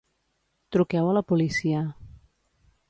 Truqueu a la policia.